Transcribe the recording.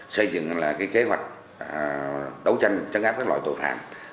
xây dựng kế hoạch đấu tranh chấn áp các loại tội phạm